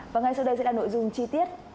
và ngay sau đây sẽ là nội dung chi tiết